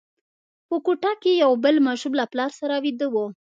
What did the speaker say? په کوټه کې یو بل ماشوم له پلار سره ویده وو.